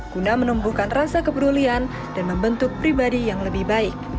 guna menumbuhkan rasa kepedulian dan membentuk pribadi yang lebih baik